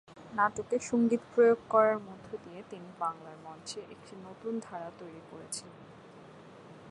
নাটকে সংগীত প্রয়োগ করার মধ্য দিয়ে তিনি বাংলার মঞ্চে একটি নতুন ধারা তৈরি করেছিলেন।